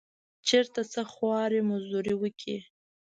چېرته څه خواري مزدوري وکړه.